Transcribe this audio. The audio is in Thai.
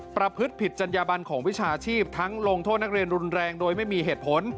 ประพฤติผิดจัญญาบันของวิชาชีพทั้งลงโทษนักเรียนรุนแรงโดยไม่มีเหตุผล